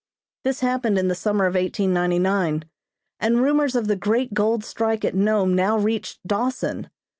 This happened in the summer of 1899, and rumors of the great gold strike at Nome now reached Dawson.